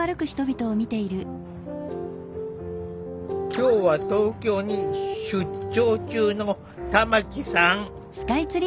今日は東京に出張中の玉木さん。